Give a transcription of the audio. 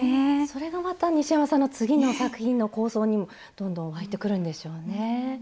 それがまた西山さんの次の作品の構想にもどんどん湧いてくるんでしょうね。